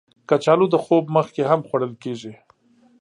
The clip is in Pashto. کچالو د خوب مخکې هم خوړل کېږي